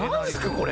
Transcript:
これ。